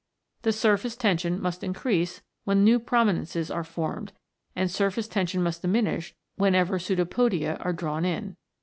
The surface tension must increase when new prominences are formed, and surface tension must diminish whenever Pseudopodia are drawn in.